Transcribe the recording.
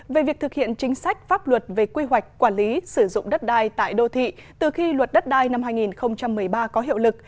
về việc thực hiện chính sách pháp luật về quy hoạch quản lý sử dụng đất đai tại đô thị từ khi luật đất đai năm hai nghìn một mươi ba có hiệu lực